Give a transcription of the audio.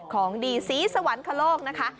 ของดีศรีสวรรคโลกนะคะ